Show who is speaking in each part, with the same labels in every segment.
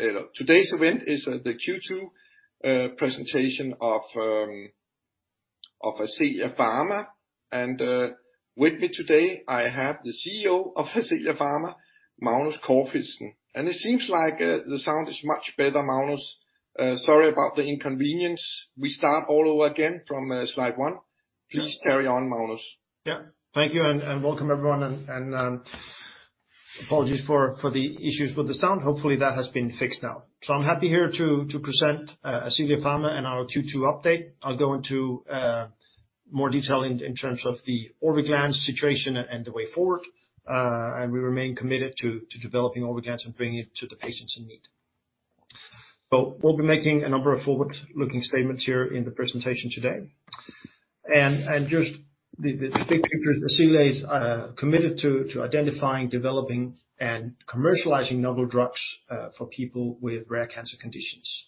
Speaker 1: Hey, today's event is the Q2 presentation of Ascelia Pharma. With me today, I have the CEO of Ascelia Pharma, Magnus Corfitzen. It seems like the sound is much better, Magnus. Sorry about the inconvenience. We start all over again from slide one. Please carry on, Magnus.
Speaker 2: Yeah. Thank you, and welcome everyone, and apologies for the issues with the sound. Hopefully, that has been fixed now. I'm happy here to present Ascelia Pharma and our Q2 update. I'll go into more detail in terms of the Orviglance situation and the way forward. We remain committed to developing Orviglance and bringing it to the patients in need. We'll be making a number of forward-looking statements here in the presentation today. Just the big picture, Ascelia is committed to identifying, developing, and commercializing novel drugs for people with rare cancer conditions.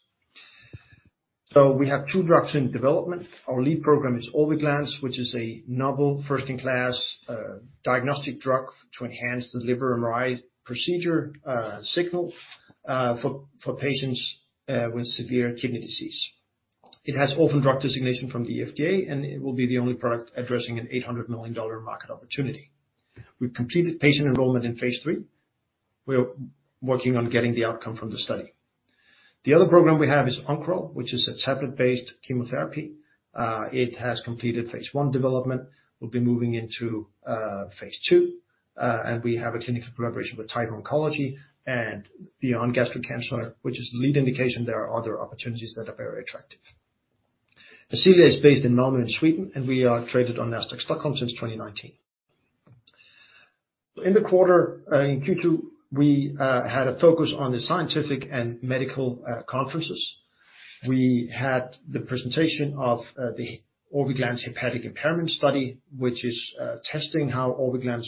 Speaker 2: We have two drugs in development. Our lead program is Orviglance, which is a novel first-in-class diagnostic drug to enhance the liver MRI procedure signal for patients with severe kidney disease. It has Orphan Drug Designation from the FDA. It will be the only product addressing an $800 million market opportunity. We've completed patient enrollment in phase III. We are working on getting the outcome from the study. The other program we have is Oncoral, which is a tablet-based chemotherapy. It has completed phase I development, will be moving into phase II. We have a clinical collaboration with Taiho Oncology and beyond gastric cancer, which is the lead indication, there are other opportunities that are very attractive. Ascelia is based in Malmö, in Sweden, and we are traded on Nasdaq Stockholm since 2019. In the quarter, in Q2, we had a focus on the scientific and medical conferences. We had the presentation of the Orviglance hepatic impairment study, which is testing how Orviglance.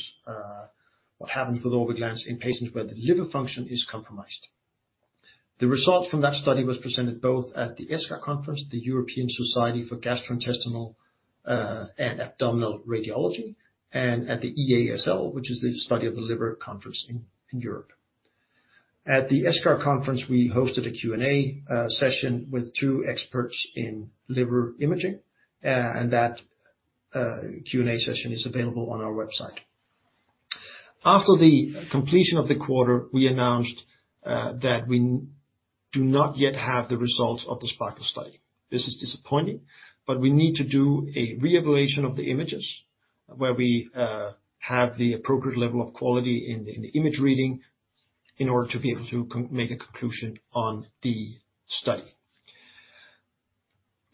Speaker 2: what happens with Orviglance in patients where the liver function is compromised. The results from that study was presented both at the ESGAR Conference, the European Society of Gastrointestinal and Abdominal Radiology, and at the EASL, which is the Study of the Liver Conference in, in Europe. At the ESGAR Conference, we hosted a Q&A session with two experts in liver imaging, and that Q&A session is available on our website. After the completion of the quarter, we announced that we do not yet have the results of the SPARKLE study. This is disappointing, but we need to do a re-evaluation of the images, where we have the appropriate level of quality in the, in the image reading, in order to be able to make a conclusion on the study.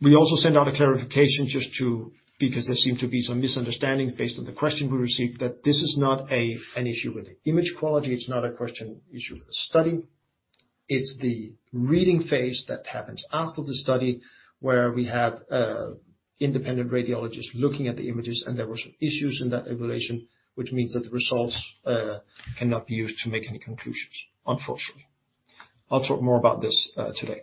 Speaker 2: We also sent out a clarification just to because there seemed to be some misunderstanding based on the question we received, that this is not an issue with the image quality. It's not a question issue with the study. It's the reading phase that happens after the study, where we have independent radiologists looking at the images. There were some issues in that evaluation, which means that the results cannot be used to make any conclusions, unfortunately. I'll talk more about this today.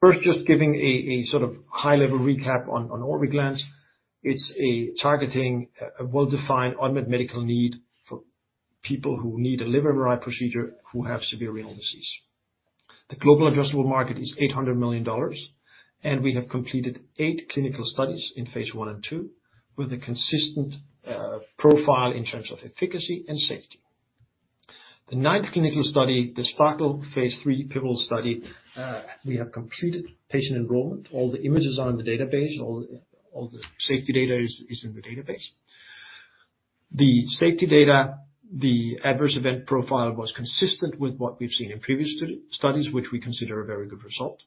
Speaker 2: First, just giving a sort of high-level recap on Orviglance. It's a targeting a well-defined unmet medical need for people who need a liver MRI procedure who have severe renal disease. The global addressable market is $800 million, we have completed eight clinical studies in phase I and phase II, with a consistent profile in terms of efficacy and safety. The ninth clinical study, the SPARKLE phase III pivotal study, we have completed patient enrollment. All the images are in the database. All the safety data is in the database. The safety data, the adverse event profile, was consistent with what we've seen in previous studies, which we consider a very good result.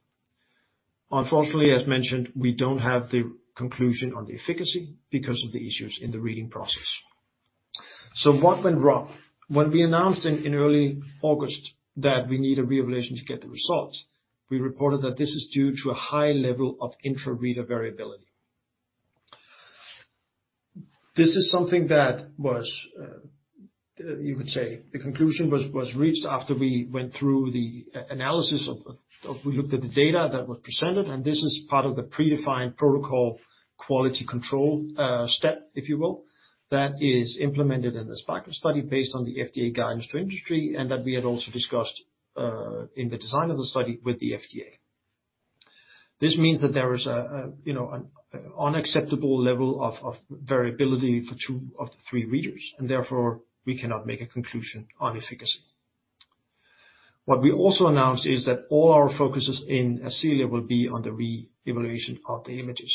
Speaker 2: Unfortunately, as mentioned, we don't have the conclusion on the efficacy because of the issues in the reading process. What went wrong? When we announced in early August that we need a re-evaluation to get the results, we reported that this is due to a high level of intra-reader variability. This is something that was, you could say, the conclusion was reached after we went through the analysis of we looked at the data that was presented. This is part of the predefined protocol, quality control step, if you will, that is implemented in the SPARKLE study based on the FDA Guidance for Industry, and that we had also discussed in the design of the study with the FDA. This means that there is a, you know, an unacceptable level of variability for two of the three readers. Therefore, we cannot make a conclusion on efficacy. What we also announced is that all our focuses in Ascelia will be on the re-evaluation of the images,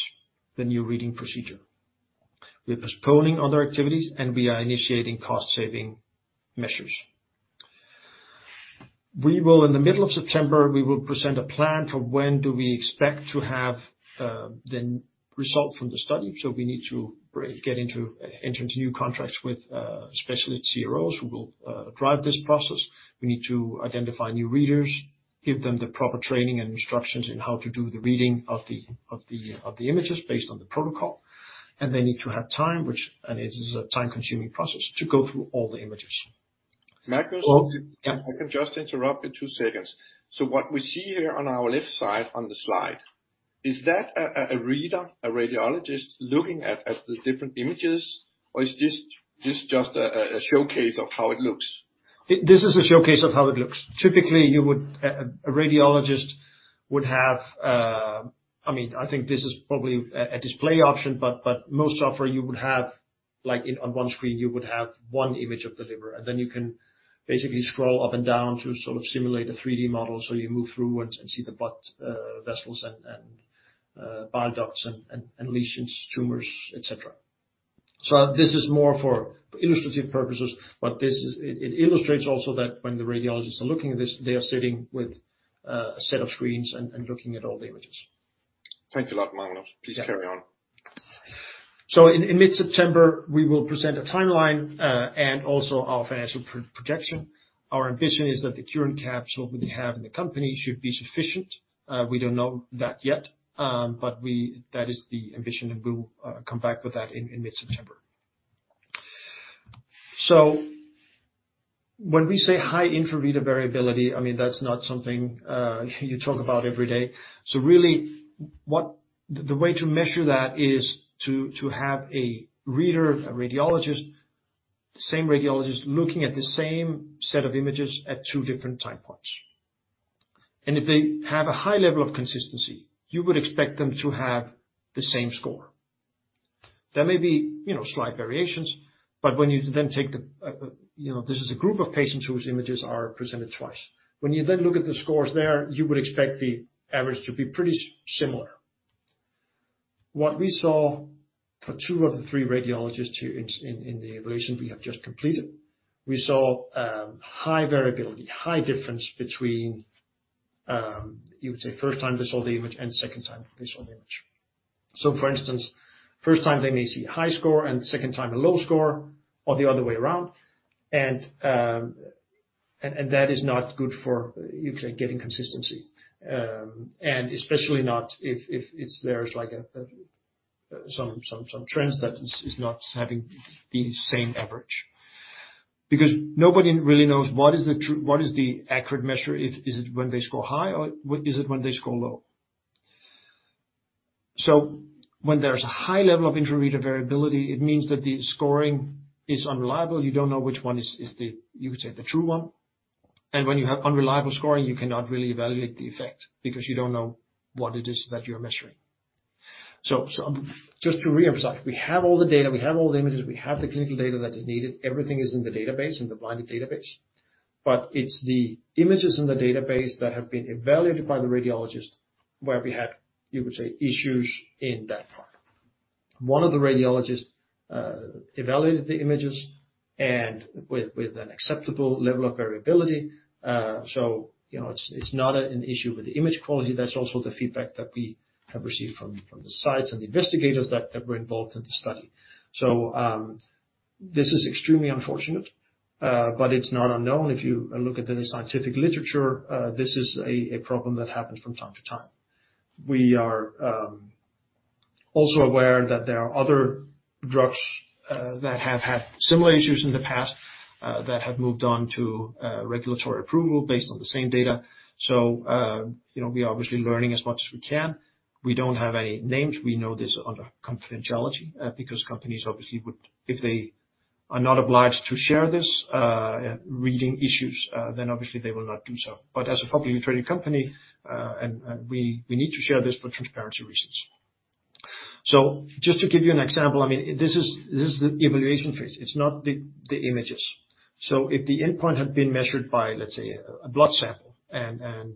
Speaker 2: the new reading procedure. We're postponing other activities, and we are initiating cost-saving measures. We will, in the middle of September, we will present a plan for when do we expect to have the result from the study. We need to enter into new contracts with specialist CROs, who will drive this process. We need to identify new readers, give them the proper training and instructions in how to do the reading of the, of the, of the images based on the protocol, and they need to have time, and it is a time-consuming process, to go through all the images.
Speaker 1: Magnus?
Speaker 2: Yeah.
Speaker 1: If I can just interrupt you 2 seconds. What we see here on our left side on the slide, is that a reader, a radiologist looking at the different images, or is this just a showcase of how it looks?
Speaker 2: This is a showcase of how it looks. Typically, a radiologist would have. I mean, I think this is probably a display option, but most software you would have, like, on one screen, you would have one image of the liver, and then you can basically scroll up and down to sort of simulate a 3D model. You move through and see the blood vessels and bile ducts and lesions, tumors, et cetera. This is more for illustrative purposes, but it illustrates also that when the radiologists are looking at this, they are sitting with a set of screens and looking at all the images.
Speaker 1: Thanks a lot, Magnus. Please carry on.
Speaker 2: In mid-September, we will present a timeline and also our financial projection. Our ambition is that the current capital that we have in the company should be sufficient. We don't know that yet, but that is the ambition, and we'll come back with that in mid-September. When we say high inter-reader variability, I mean, that's not something you talk about every day. Really, the way to measure that is to have a reader, a radiologist, the same radiologist, looking at the same set of images at two different time points. If they have a high level of consistency, you would expect them to have the same score. There may be, you know, slight variations, but when you then take the, you know, this is a group of patients whose images are presented twice. You then look at the scores there, you would expect the average to be pretty similar. What we saw for two of the three radiologists in the evaluation we have just completed, we saw high variability, high difference between, you would say, first time they saw the image and second time they saw the image. For instance, first time they may see a high score and second time a low score, or the other way around, and that is not good for, you would say, getting consistency. And especially not if there's like some trends that is not having the same average. Nobody really knows what is the true, what is the accurate measure? Is it when they score high, or is it when they score low? When there's a high level of inter-reader variability, it means that the scoring is unreliable. You don't know which one is the, you would say, the true one. When you have unreliable scoring, you cannot really evaluate the effect because you don't know what it is that you're measuring. Just to reemphasize, we have all the data, we have all the images, we have the clinical data that is needed. Everything is in the database, in the blinded database, it's the images in the database that have been evaluated by the radiologist, where we had, you would say, issues in that part. One of the radiologists evaluated the images and with an acceptable level of variability. You know, it's not an issue with the image quality. That's also the feedback that we have received from, from the sites and the investigators that, that were involved in the study. This is extremely unfortunate, but it's not unknown. If you look at the scientific literature, this is a problem that happens from time to time. We are also aware that there are other drugs that have had similar issues in the past that have moved on to regulatory approval based on the same data. You know, we are obviously learning as much as we can. We don't have any names. We know this under confidentiality, because companies obviously would- if they are not obliged to share this, reading issues, then obviously they will not do so. As a publicly traded company, and we need to share this for transparency reasons. Just to give you an example, I mean, this is, this is the evaluation phase. It's not the, the images. If the endpoint had been measured by, let's say, a blood sample, and, and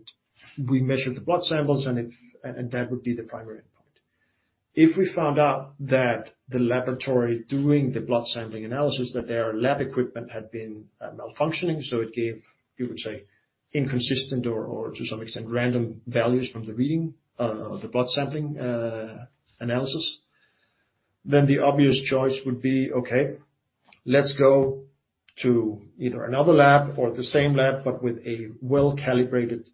Speaker 2: we measured the blood samples, and that would be the primary endpoint. If we found out that the laboratory doing the blood sampling analysis, that their lab equipment had been malfunctioning, so it gave, you would say, inconsistent or to some extent random values from the reading of the blood sampling analysis, the obvious choice would be, okay, let's go to either another lab or the same lab, but with a well-calibrated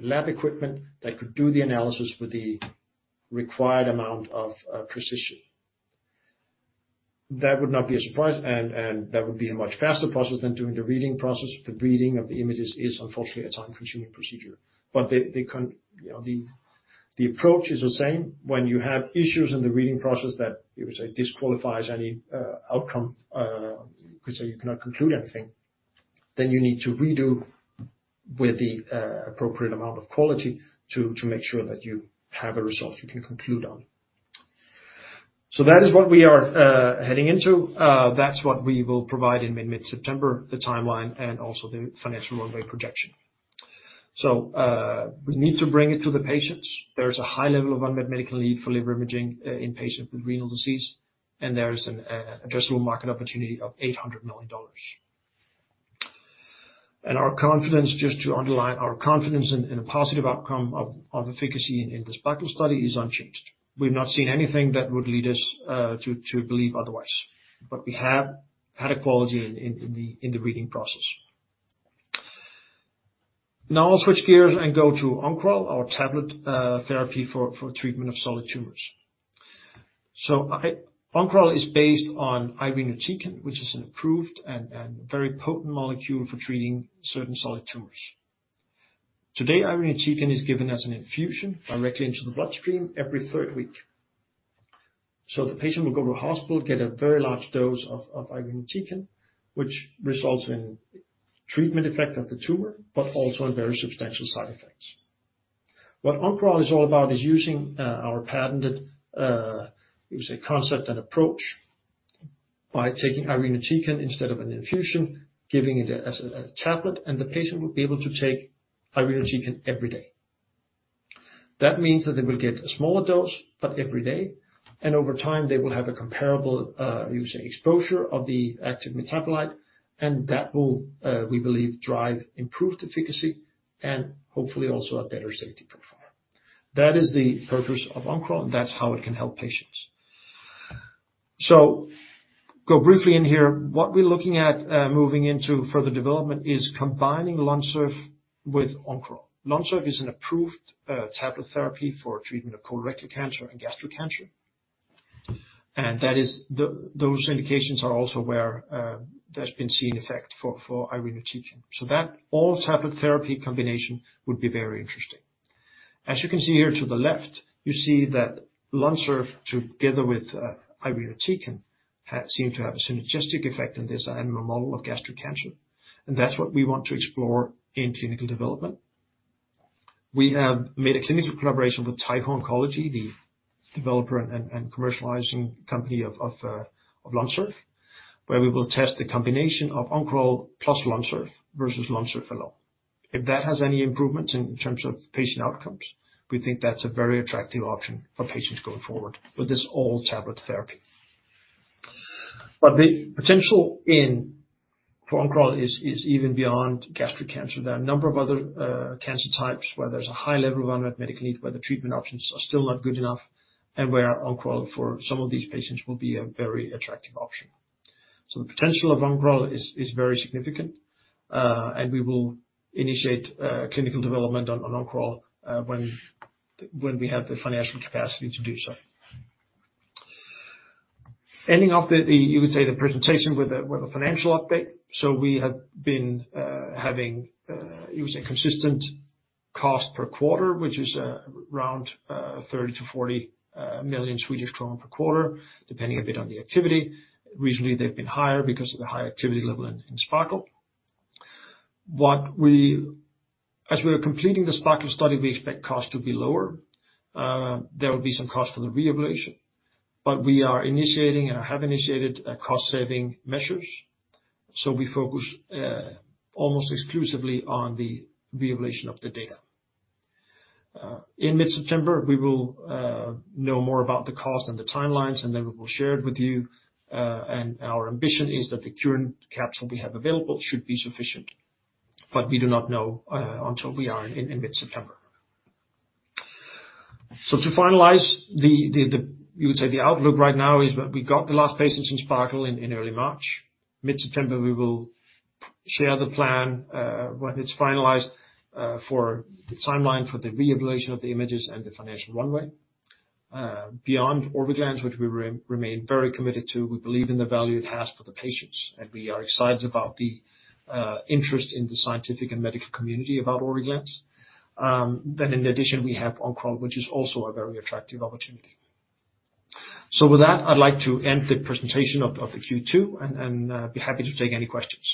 Speaker 2: lab equipment that could do the analysis with the required amount of precision. That would not be a surprise, and, and that would be a much faster process than doing the reading process. The reading of the images is, unfortunately, a time-consuming procedure. They, they, you know, the approach is the same. When you have issues in the reading process that, you would say, disqualifies any outcome, you could say you cannot conclude anything, then you need to redo with the appropriate amount of quality to make sure that you have a result you can conclude on. That is what we are heading into. That's what we will provide in mid-September, the timeline and also the financial runway projection. We need to bring it to the patients. There is a high level of unmet medical need for liver imaging in patients with renal disease, and there is an addressable market opportunity of $800 million. Our confidence, just to underline, our confidence in, in a positive outcome of efficacy in, in the SPARKLE study is unchanged. We've not seen anything that would lead us to believe otherwise, but we have had a quality in, in the, in the reading process. Now I'll switch gears and go to Oncoral, our tablet therapy for treatment of solid tumors. Oncoral is based on irinotecan, which is an approved and very potent molecule for treating certain solid tumors. Today, irinotecan is given as an infusion directly into the bloodstream every third week. The patient will go to a hospital, get a very large dose of irinotecan, which results in treatment effect of the tumor, but also in very substantial side effects. What Oncoral is all about is using our patented, we say concept and approach, by taking irinotecan instead of an infusion, giving it as a tablet, and the patient will be able to take irinotecan every day. That means that they will get a smaller dose, but every day, and over time, they will have a comparable, we say, exposure of the active metabolite, and that will, we believe, drive improved efficacy and hopefully also a better safety profile. That is the purpose of Oncoral, and that's how it can help patients. Go briefly in here. What we're looking at, moving into further development is combining Lonsurf with Oncoral. Lonsurf is an approved tablet therapy for treatment of colorectal cancer and gastric cancer. Those indications are also where there's been seen effect for irinotecan. That all-tablet therapy combination would be very interesting. As you can see here to the left, you see that Lonsurf, together with irinotecan, seem to have a synergistic effect in this animal model of gastric cancer, and that's what we want to explore in clinical development. We have made a clinical collaboration with Taiho Oncology, the developer and commercializing company of Lonsurf, where we will test the combination of Oncoral plus Lonsurf versus Lonsurf alone. If that has any improvements in terms of patient outcomes, we think that's a very attractive option for patients going forward with this all-tablet therapy. The potential in for Oncoral is even beyond gastric cancer. There are a number of other cancer types where there's a high level of unmet medical need, where the treatment options are still not good enough, and where Oncoral, for some of these patients, will be a very attractive option. The potential of Oncoral is very significant, and we will initiate clinical development on Oncoral when we have the financial capacity to do so. Ending off the, you would say, the presentation with a financial update. We have been having using consistent cost per quarter, which is around 30 million-40 million Swedish kronor per quarter, depending a bit on the activity. Recently, they've been higher because of the high activity level in SPARKLE. As we are completing the SPARKLE study, we expect costs to be lower. There will be some cost for the reevaluation, but we are initiating and have initiated a cost-saving measures. We focus almost exclusively on the reevaluation of the data. In mid-September, we will know more about the cost and the timelines, and then we will share it with you. Our ambition is that the current capital we have available should be sufficient, but we do not know until we are in mid-September. To finalize, you would say the outlook right now is that we got the last patients in SPARKLE in early March. Mid-September, we will share the plan, when it's finalized, for the timeline for the reevaluation of the images and the financial runway. beyond Orviglance, which we remain very committed to, we believe in the value it has for the patients, and we are excited about the interest in the scientific and medical community about Orviglance. In addition, we have Oncoral, which is also a very attractive opportunity. With that, I'd like to end the presentation of, of the Q2, and be happy to take any questions.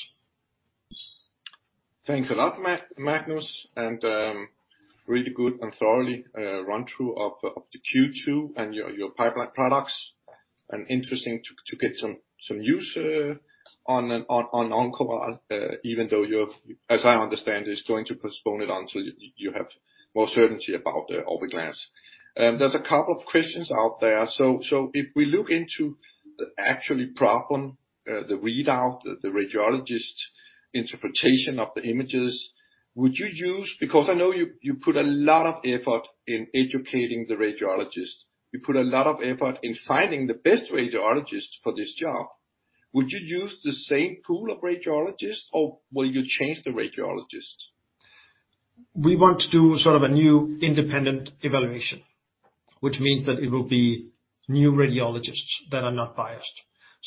Speaker 1: Thanks a lot, Magnus, and really good and thoroughly run-through of the Q2 and your pipeline products. Interesting to get some news on Oncoral, even though you have, as I understand, is going to postpone it until you have more certainty about the Orviglance. There's a couple of questions out there. If we look into the actually problem, the readout, the radiologist's interpretation of the images, would you use... Because I know you put a lot of effort in educating the radiologist. You put a lot of effort in finding the best radiologist for this job. Would you use the same pool of radiologists, or will you change the radiologists?
Speaker 2: We want to do sort of a new independent evaluation, which means that it will be new radiologists that are not biased.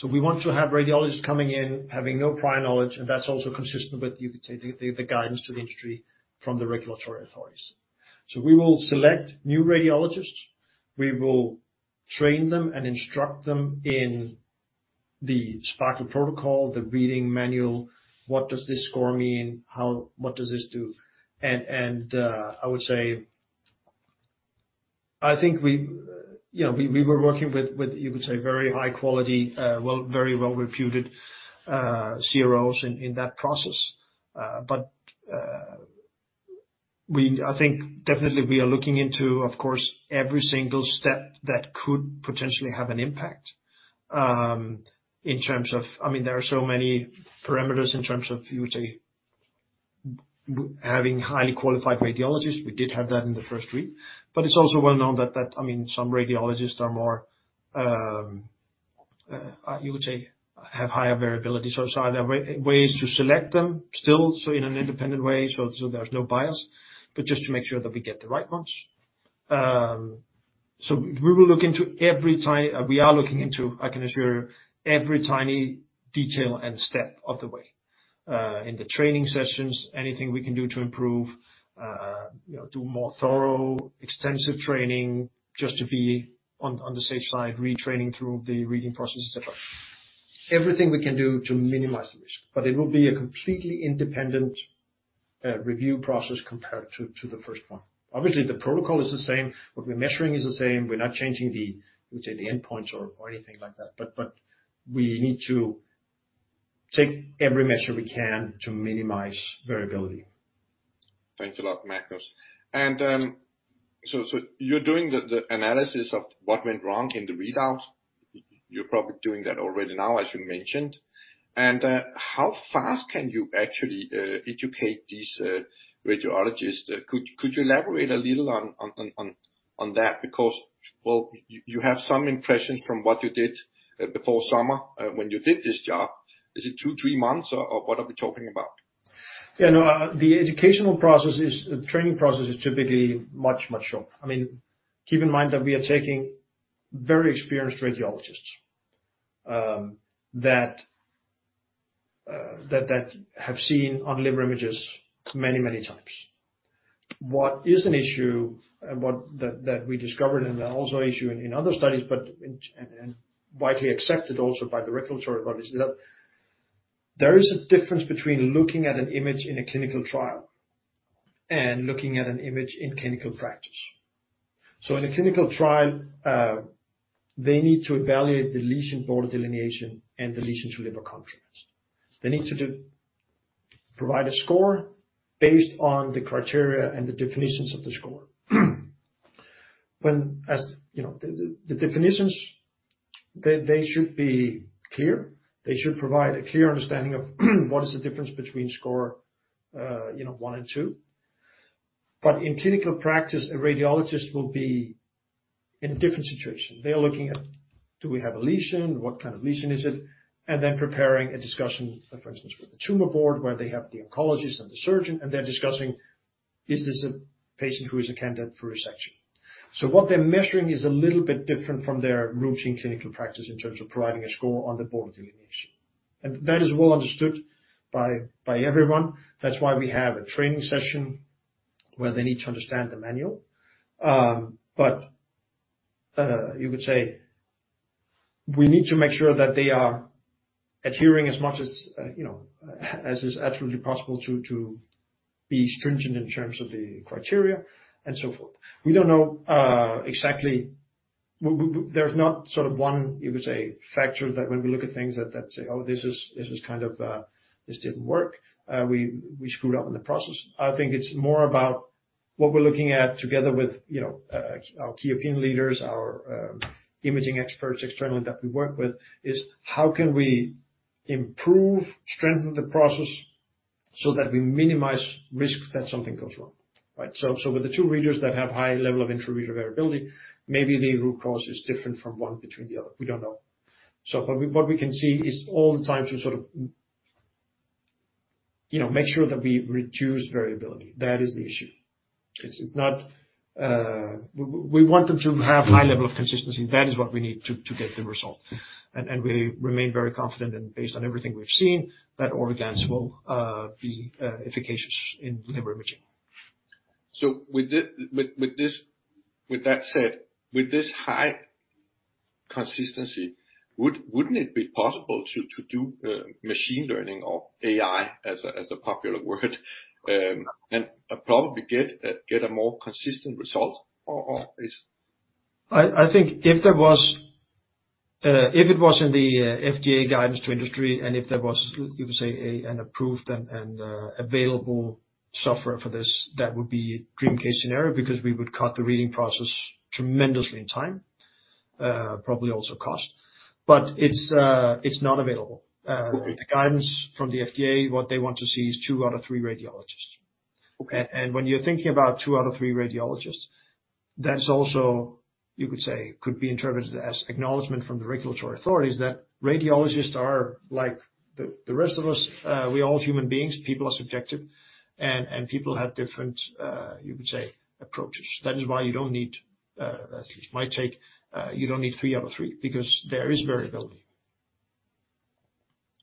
Speaker 2: We want to have radiologists coming in, having no prior knowledge, and that's also consistent with, you could say, the, the, the guidance to the industry from the regulatory authorities. We will select new radiologists. We will train them and instruct them in the SPARKLE protocol, the reading manual. What does this score mean? What does this do? I would say, I think we, you know, we, we were working with, with, you would say, very high quality, very well reputed CROs in, in that process. I think definitely we are looking into, of course, every single step that could potentially have an impact in terms of... I mean, there are so many parameters in terms of, you would say, having highly qualified radiologists. We did have that in the first read. It's also well known that, that, I mean, some radiologists are more, you would say, have higher variability. Are there way, ways to select them still, so in an independent way, so, so there's no bias, but just to make sure that we get the right ones. We will look into every, we are looking into, I can assure you, every tiny detail and step of the way. In the training sessions, anything we can do to improve, you know, do more thorough, extensive training, just to be on the safe side, retraining through the reading process, et cetera. Everything we can do to minimize the risk, but it will be a completely independent review process compared to, to the first one. Obviously, the protocol is the same. What we're measuring is the same. We're not changing the, we say, the endpoints or, or anything like that, but we need to take every measure we can to minimize variability.
Speaker 1: Thanks a lot, Magnus. So you're doing the analysis of what went wrong in the readout. You're probably doing that already now, as you mentioned. How fast can you actually educate these radiologists? Could you elaborate a little on that? Because, well, you have some impressions from what you did before summer, when you did this job. Is it two, three months, or, or what are we talking about?
Speaker 2: Yeah, no, the educational process is the training process is typically much, much shorter. I mean, keep in mind that we are taking very experienced radiologists that, that have seen on liver images many, many times. What is an issue and what that, that we discovered, and also issue in, in other studies, but in, and, and widely accepted also by the regulatory authorities, is that there is a difference between looking at an image in a clinical trial and looking at an image in clinical practice. In a clinical trial, they need to evaluate the lesion border delineation and the lesion to liver contrast. They need to provide a score based on the criteria and the definitions of the score. When, as you know, the, the, the definitions, they, they should be clear. They should provide a clear understanding of, what is the difference between score, you know, one and two. In clinical practice, a radiologist will be in a different situation. They are looking at, do we have a lesion? What kind of lesion is it? Then preparing a discussion, for instance, with the tumor board, where they have the oncologist and the surgeon, and they're discussing: Is this a patient who is a candidate for resection? What they're measuring is a little bit different from their routine clinical practice in terms of providing a score on the border delineation. That is well understood by everyone. That's why we have a training session where they need to understand the manual. You could say, we need to make sure that they are adhering as much as, you know, as is absolutely possible to, to be stringent in terms of the criteria and so forth. We don't know, exactly... there's not sort of one, you could say, factor that when we look at things that, that say, "Oh, this is, this is kind of, this didn't work. We, we screwed up in the process." I think it's more about what we're looking at together with, you know, our Key Opinion Leaders, our imaging experts externally that we work with, is how can we improve, strengthen the process so that we minimize risk that something goes wrong, right? With the two readers that have high level of intra-reader variability, maybe the root cause is different from one between the other. We don't know. But what we can see is all the time to sort of, you know, make sure that we reduce variability. That is the issue. It's, it's not, we want them to have high level of consistency. That is what we need to, to get the result. And we remain very confident and based on everything we've seen, that Orviglance will be efficacious in liver imaging.
Speaker 1: With that said, with this high consistency, wouldn't it be possible to do machine learning or AI, as a popular word, and probably get a more consistent result, or is?
Speaker 2: I think if there was, if it was in the FDA Guidance for Industry, and if there was, you could say, an approved and available software for this, that would be dream case scenario, because we would cut the reading process tremendously in time, probably also cost. It's not available.
Speaker 1: Okay.
Speaker 2: The guidance from the FDA, what they want to see is two out of three radiologists.
Speaker 1: Okay.
Speaker 2: When you're thinking about two out of three radiologists, that's also, you could say, could be interpreted as acknowledgment from the regulatory authorities that radiologists are like the, the rest of us. We're all human beings, people are subjective, and, and people have different, you would say, approaches. That is why you don't need, at least my take, you don't need three out of three, because there is variability.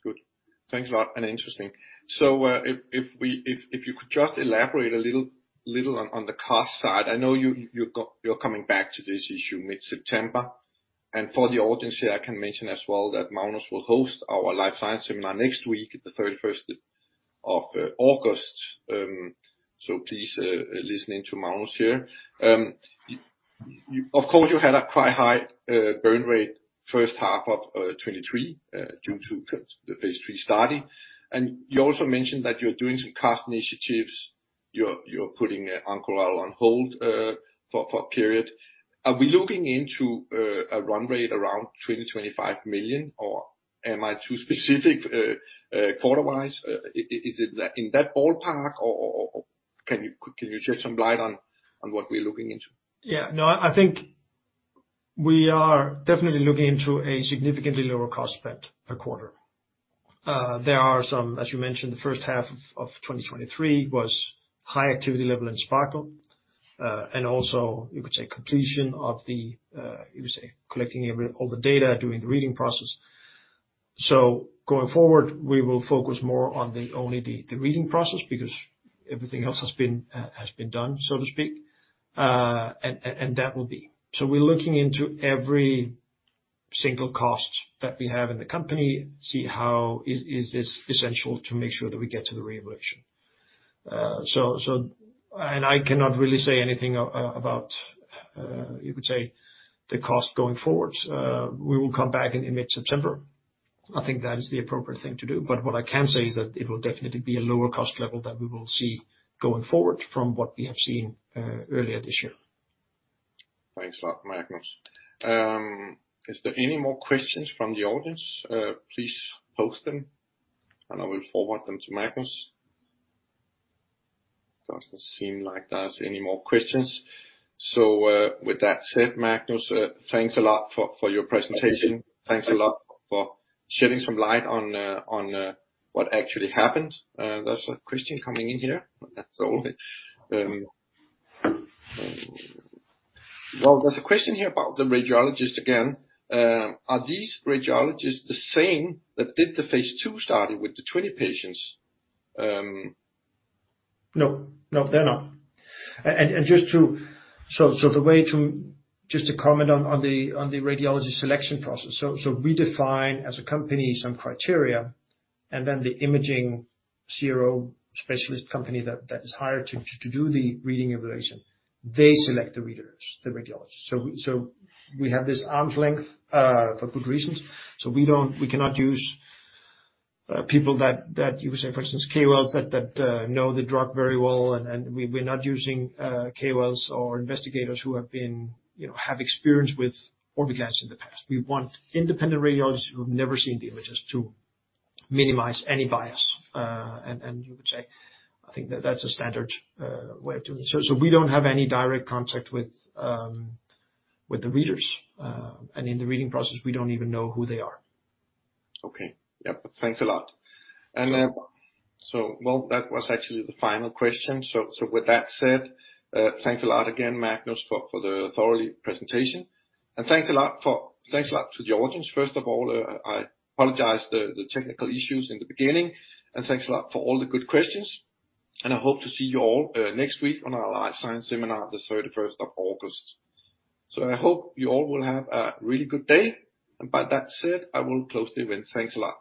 Speaker 1: Good. Thanks a lot, and interesting. If you could just elaborate a little on the cost side. I know you're coming back to this issue mid-September. For the audience here, I can mention as well, that Magnus will host our life science seminar next week, the 31st of August. Please, listening to Magnus here. Of course, you had a quite high burn rate, first half of 2023, due to the phase III study. You also mentioned that you're doing some cost initiatives. You're putting Oncoral on hold for a period. Are we looking into a run rate around 20 million-SEK25 million, or am I too specific quarter wise? Is it that in that ballpark, or can you shed some light on, on what we're looking into?
Speaker 2: Yeah. No, I think. We are definitely looking into a significantly lower cost spent a quarter. There are some, as you mentioned, the first half of 2023 was high activity level in Sparkle. Also, you could say, completion of the, you would say, collecting all the data, doing the reading process. Going forward, we will focus more on the, only the, the reading process, because everything else has been done, so to speak. That will be. We're looking into every single cost that we have in the company, see how is this essential to make sure that we get to the reevaluation. I cannot really say anything about, you could say, the cost going forward. We will come back in mid-September. I think that is the appropriate thing to do. What I can say is that it will definitely be a lower cost level that we will see going forward from what we have seen earlier this year.
Speaker 1: Thanks a lot, Magnus. Is there any more questions from the audience? Please post them, and I will forward them to Magnus. Doesn't seem like there's any more questions. With that said, Magnus, thanks a lot for, for your presentation.
Speaker 2: Thank you.
Speaker 1: Thanks a lot for shedding some light on, on, what actually happened. There's a question coming in here. Well, there's a question here about the radiologist again. Are these radiologists the same that did the phase II study with the 20 patients?
Speaker 2: No. No, they're not. Just to comment on the radiology selection process. We define, as a company, some criteria, and then the imaging CRO specialist company that is hired to do the reading evaluation, they select the readers, the radiologists. We have this arm's length for good reasons. We cannot use people that you would say, for instance, KOLs, that know the drug very well, and we're not using KOLs or investigators who have been, you know, have experience with Orviglance in the past. We want independent radiologists who have never seen the images to minimize any bias. You would say, I think that that's a standard way of doing. We don't have any direct contact with, with the readers, and in the reading process, we don't even know who they are.
Speaker 1: Okay. Yep. Thanks a lot.
Speaker 2: Sure.
Speaker 1: So well, that was actually the final question. So with that said, thanks a lot again, Magnus, for the thorough presentation. Thanks a lot for- thanks a lot to the audience. First of all, I apologize the technical issues in the beginning, and thanks a lot for all the good questions. I hope to see you all next week on our life science seminar, the 31st of August. I hope you all will have a really good day, and by that said, I will close the event. Thanks a lot.